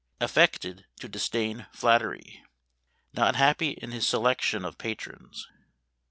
Affected to disdain flattery. Not happy in his selection of patrons.